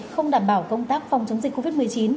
không đảm bảo công tác phòng chống dịch covid một mươi chín